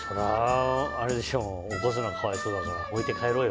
起こすのかわいそうだから置いて帰ろうよ。